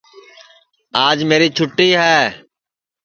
آج میری چھوٹی ہے